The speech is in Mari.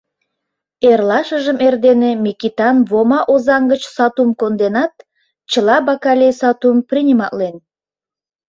Эрлашыжым эрдене Микитан Вома Озаҥ гыч сатум конденат, чыла бакалей сатум приниматлен.